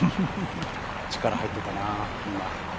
力入ってたなあ、今。